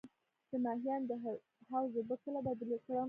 د ماهیانو د حوض اوبه کله بدلې کړم؟